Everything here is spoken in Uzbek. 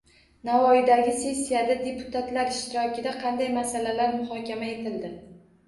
Navoiydagi sessiyada deputatlar ishtirokida qanday masalalar muhokama etildi?